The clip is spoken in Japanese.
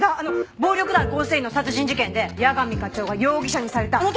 暴力団構成員の殺人事件で矢上課長が容疑者にされたあの時！